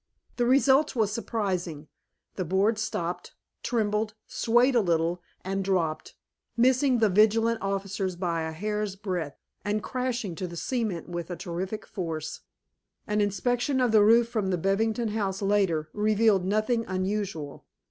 "The result was surprising. The board stopped, trembled, swayed a little, and dropped, missing the vigilant officers by a hair's breadth, and crashing to the cement with a terrific force. An inspection of the roof from the Bevington house, later, revealed nothing unusual.